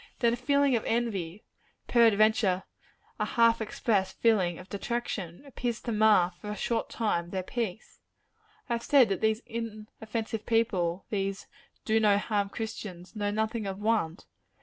Then a feeling of envy peradventure a half expressed feeling of detraction appears to mar, for a short time, their peace. I have said that these inoffensive people these do no harm Christians know nothing of want.